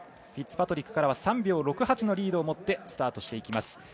フィッツパトリックからは３秒６８のリードを持ってスタートしていきます。